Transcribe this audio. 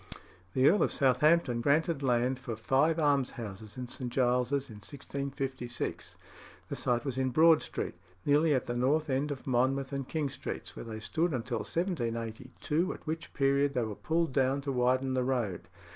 The Earl of Southampton granted land for five almshouses in St. Giles's in 1656. The site was in Broad Street, nearly at the north end of Monmouth and King Streets, where they stood until 1782, at which period they were pulled down to widen the road.